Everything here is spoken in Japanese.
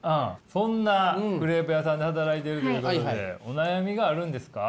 そんなクレープ屋さんで働いてるということでお悩みがあるんですか？